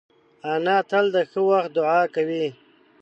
انا تل د ښه وخت دعا کوي